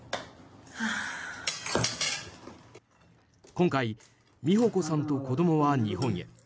今回、美穂子さんと子供は日本へ。